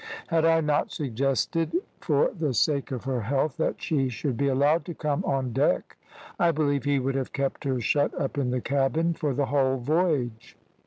Had I not suggested, for the sake of her health, that she should be allowed to come on deck, I believe he would have kept her shut up in the cabin for the whole voyage.